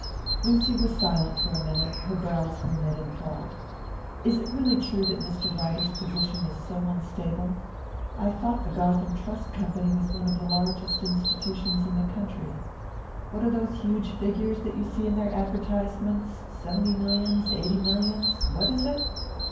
Lucy was silent for a minute; her brows were knit in thought. "Is it really true that Mr. Ryder's position is so unstable? I thought the Gotham Trust Company was one of the largest institutions in the country. What are those huge figures that you see in their advertisements, seventy millions eighty millions what is it?"